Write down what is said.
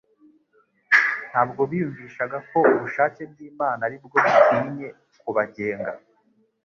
ntabwo biyumvishaga ko ubushake bw'Imana, aribwo bukwinye kubagenga.